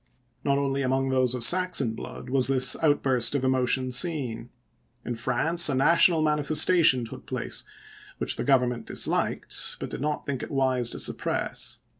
Not only among those of Saxon blood was this outburst of emotion seen. In France a national manifestation took place which the Government disliked, but did not think it wise to suppress.